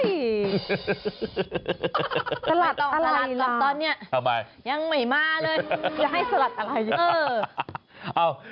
สลัดต่อสลัดต่อตอนนี้ยังไม่มาเลยจะให้สลัดอะไร